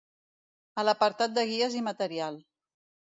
A l'apartat de guies i material.